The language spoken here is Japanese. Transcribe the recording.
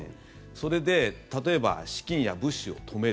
それで例えば、資金や物資を止める。